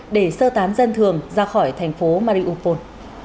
để sơ tán dân thường ra khỏi thành phố mariuphon